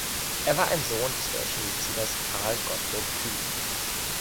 Er war ein Sohn des deutschen Mediziners Karl Gottlob Kühn.